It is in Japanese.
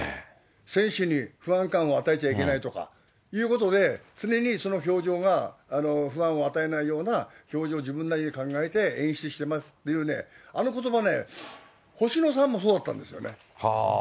選手に不安感を与えちゃいけないとかいうことで、常にその表情が不安を与えないような表情を自分なりに考えて演出してますというね、あのことばね、星野さんもそうだったんですよね。